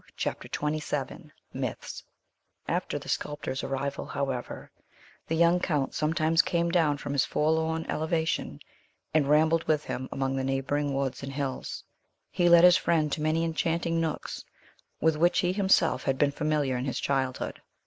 CHAPTER XXVII MYTHS After the sculptor's arrival, however, the young Count sometimes came down from his forlorn elevation, and rambled with him among the neighboring woods and hills. He led his friend to many enchanting nooks, with which he himself had been familiar in his childhood.